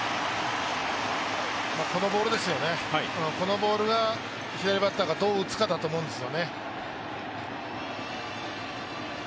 このボールが左バッターがどう打つかだと思うんです。